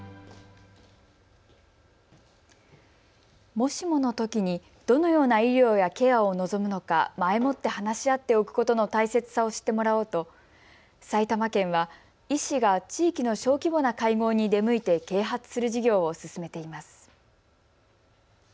もしものときに、どのような医療やケアを望むのか前もって話し合っておくことの大切さを知ってもらおうと埼玉県は医師が地域の小規模な会合に出向いて啓発する事業を進めています。